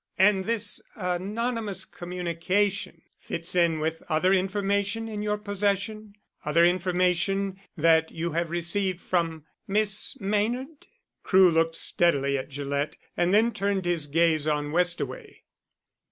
"And this anonymous communication fits in with other information in your possession other information that you have received from Miss Maynard?" Crewe looked steadily at Gillett, and then turned his gaze on Westaway.